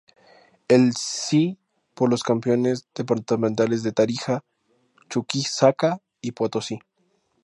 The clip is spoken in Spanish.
El C por los campeones departamentales de Tarija, Chuquisaca y Potosí.